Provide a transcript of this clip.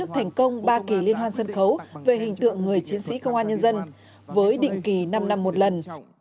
thành công ba kỳ liên hoan sân khấu về hình tượng người chiến sĩ công an nhân dân với định kỳ năm năm một lần